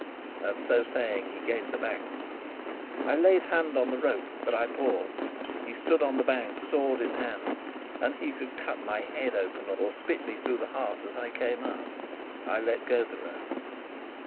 And so saying he gained the bank. I laid hold of the rope, but I paused. He stood on the bank, sword in hand, and he could cut my head open or spit me through the heart as I came up. I let go the rope.